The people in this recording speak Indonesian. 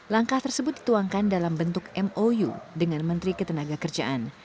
langkah tersebut dituangkan dalam bentuk mou dengan menteri ketenaga kerjaan